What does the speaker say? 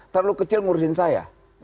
terlalu kecil ngurusin saya